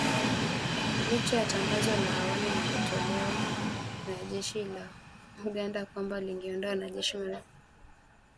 Licha ya tangazo la awali lililotolewa na jeshi la Uganda kwamba lingeondoa wanajeshi mara operesheni hiyo itakapokamilika